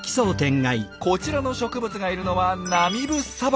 こちらの植物がいるのはナミブ砂漠。